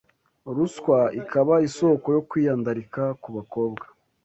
Ruswa ikaba isoko yo kwiyandarika ku bakobwa